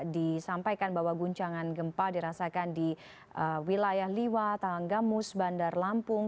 disampaikan bahwa guncangan gempa dirasakan di wilayah liwa tanggamus bandar lampung